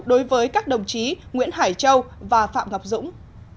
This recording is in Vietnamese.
đối với các đồng chí nguyễn hải châu và phạm ngọc dũng